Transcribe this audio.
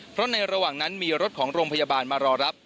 เพราะในระหว่างนั้นมีรถของโรงพยาบาลมารอรับ